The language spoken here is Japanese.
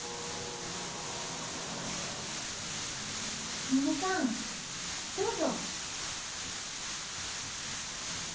すみれさんどうぞ。